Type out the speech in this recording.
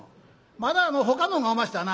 まだほかのがおましたな？